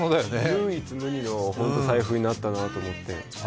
唯一無二の財布になったなと思って。